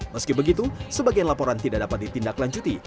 meski begitu sebagian laporan tidak dapat ditindaklanjuti